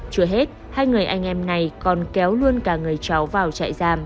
chưa hết hai người anh em này còn kéo luôn cả người cháu vào trại giam